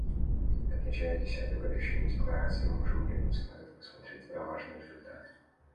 Отмечая десятую годовщину Декларации, мы можем оглянуться назад и посмотреть на важные результаты.